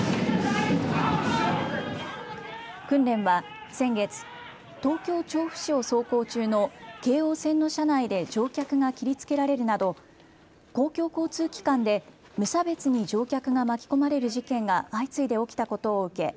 訓練は先月、東京調布市を走行中の京王線の車内で乗客が切りつけられるなど公共交通機関で無差別に乗客が巻き込まれる事件が相次いで起きたことを受け